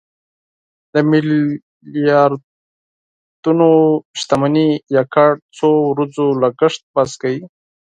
د میلیاردرانو شتمني یوازې څو ورځو لګښت بس کوي.